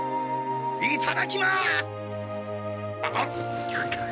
いただきます！